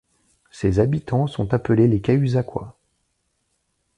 Ses habitants sont appelés les Cahuzacois.